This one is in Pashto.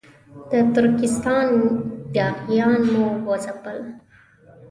د ترکستان یاغیان مو وځپل.